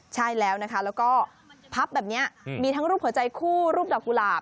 ใช่แล้วนะคะแล้วก็พับแบบนี้มีทั้งรูปหัวใจคู่รูปดอกกุหลาบ